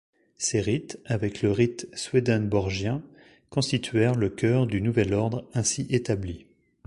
Ces rites, avec le Rite Swedenborgien, constituèrent le cœur du nouvel ordre ainsi établi.